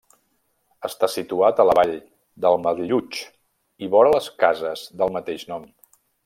Està situat a la vall d'Almallutx i vora les cases del mateix nom.